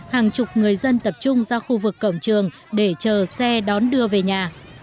hàng chục người dân tập trung ra khu vực cổng trường để chờ xe đón đưa về nhà